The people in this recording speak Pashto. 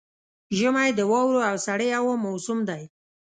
ژمی د واورو او سړې هوا موسم دی.